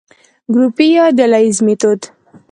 ګروپي يا ډلييز ميتود: